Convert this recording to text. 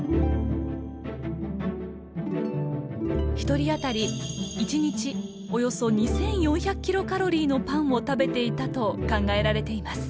１人当たり１日およそ２，４００キロカロリーのパンを食べていたと考えられています。